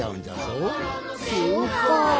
そうか。